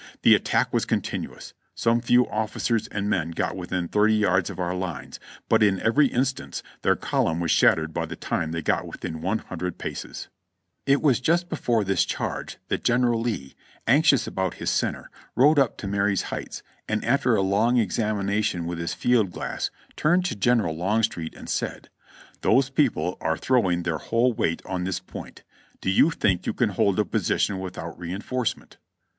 The attack was continuous, some few officers and men got within 30 yards of our lines, but in every instance their column was shattered by the time they got within one hundred paces." (Reb. Records, Vol. 21, p. 590.) It was just before this charge that General Lee, anxious about his center, rode up to Marye's Heights, and after a long examina tion with his field glass turned to General Longstreet and said : "Those people are throwing their whole weight on this point; do you think you can hold the position without reinforcement?"